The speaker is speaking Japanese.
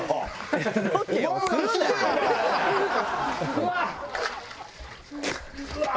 うわっ！